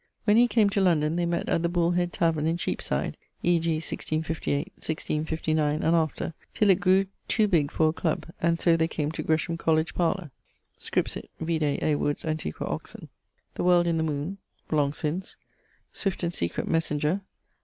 When he came to London, they mett at the Bull head taverne in Cheapside, (e.g. 1658, 1659, and after), till it grew to big for a clubb, and so they came to Gresham colledge parlour. Scripsit (vide A. Wood's Antiq. Oxon.): The World in the Moone, ... (long since). Swift and Secret Messenger.